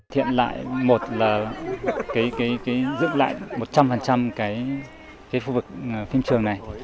thiện lại một là giữ lại một trăm linh phương phức phim trường này